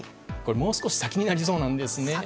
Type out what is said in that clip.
もう少し先になりそうなんです。